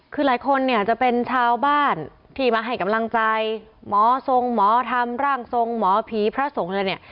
คือหลายคนเนี่ยจะเป็นชาวบ้านที่มาให้กำลังใจหมอทรงหมอธรรมร่างทรงหมอผีพระสงฆ์อะไรเนี่ย